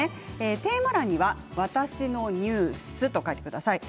テーマ欄には「わたしのニュース」と書いてください。